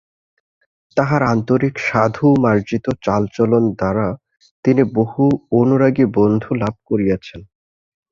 তাঁহার আন্তরিক সাধু মার্জিত চালচলন দ্বারা তিনি বহু অনুরাগী বন্ধু লাভ করিয়াছেন।